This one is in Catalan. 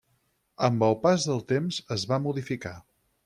Amb el pas del temps es va modificar.